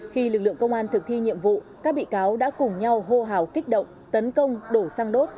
khi lực lượng công an thực thi nhiệm vụ các bị cáo đã cùng nhau hô hào kích động tấn công đổ xăng đốt